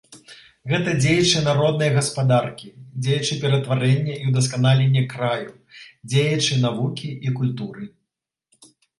Гэта дзеячы народнай гаспадаркі, дзеячы ператварэння і ўдасканалення краю, дзеячы навукі і культуры.